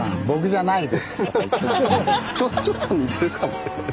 ちょっと似てるかもしれない。